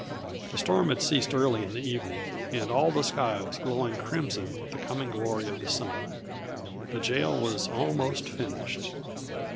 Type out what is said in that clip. The storm had ceased early in the evening and all the sky was glowing crimson with the coming glory of the sun. The jail was almost finished.